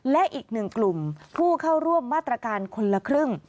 และอีกหนึ่งกลุ่มผู้เข้าร่วมมาตรการคนละครึ่ง